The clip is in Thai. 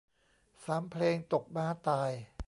สามเพลงตกม้าตาย